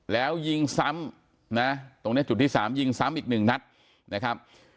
แล้วยิงซ้ำนะตรงนี้จุดที่๓ยิงซ้ำอีกหนึ่งนัดนะครับ